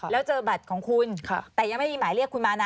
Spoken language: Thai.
แล้วเจอบัตรของคุณ